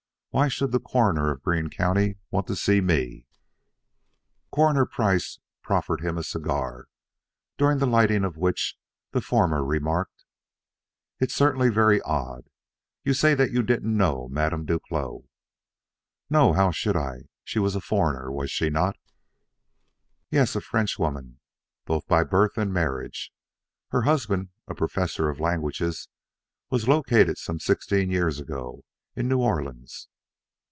Why should the Coroner of Greene County want to see me?" Coroner Price proffered him a cigar, during the lighting of which the former remarked: "It's certainly very odd. You say that you didn't know Madame Duclos." "No; how should I? She was a foreigner, was she not?" "Yes; a Frenchwoman, both by birth and marriage. Her husband, a professor of languages, was located some sixteen years ago, in New Orleans."